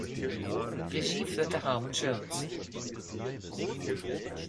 Regie führte Harmon Jones.